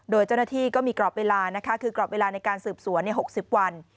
โดยเจ้าหน้าที่ก็มีกรอบเวลานะคะคือกรอบเวลาในการสืบสวน๖๐วัน